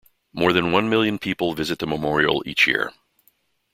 More than one million people visit the memorial each year.